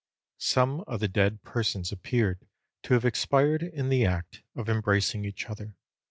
_Some of the dead persons appeared to have expired in the act of embracing each other.